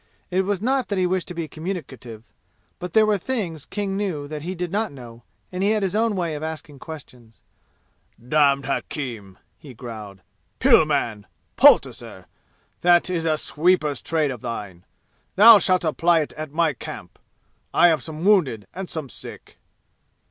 It was not that he wished to be communicative, but there were things King knew that he did not know, and he had his own way of asking questions. "Damned hakim!" he growled. "Pill man! Poulticer! That is a sweeper's trade of thine! Thou shalt apply it at my camp! I have some wounded and some sick."